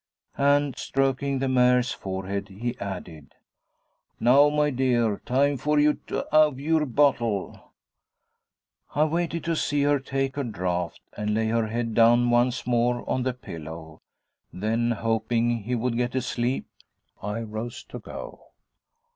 And stroking the mare's forehead, he added, 'Now, my dear, time for yu t' 'ave yure bottle.' I waited to see her take her draft, and lay her head down once more on the pillow. Then, hoping he would get a sleep, I rose to go.